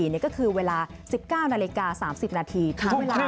ที่๑๔คือเวลา๑๙น๓๐นถ้าเวลา๒๐น๓๐น